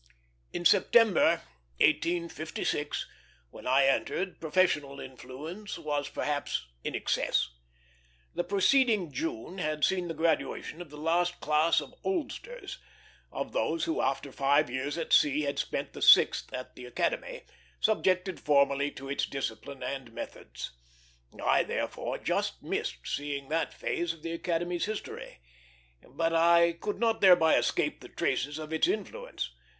In September, 1856, when I entered, professional influence was perhaps in excess. The preceding June had seen the graduation of the last class of "oldsters" of those who, after five years at sea, had spent the sixth at the Academy, subjected formally to its discipline and methods. I therefore just missed seeing that phase of the Academy's history; but I could not thereby escape the traces of its influence.